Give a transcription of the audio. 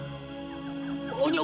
dan anda juga o cra